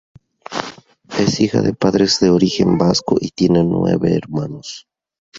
Es hija de padres de origen vasco y tiene nueve hermanos.